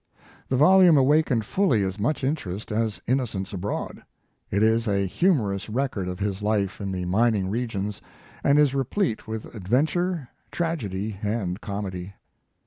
The volume awakened fully as much interest as "In nocents Abroad." It is a humorous record of his life in the mining regions and is replete with adventure, tragedy and comedy.